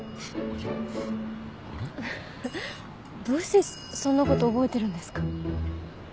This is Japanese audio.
どうしてそんなこと覚えてるんですか？